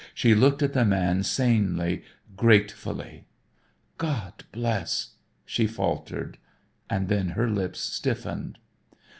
She looked at the man sanely, gratefully. "God bless " she faltered and then her lips stiffened.